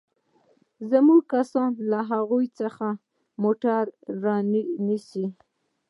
زموږ کسان له هغوى څخه موټر رانيسي.